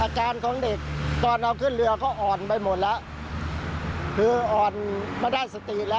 ของเด็กตอนเอาขึ้นเรือก็อ่อนไปหมดแล้วคืออ่อนไม่ได้สติแล้ว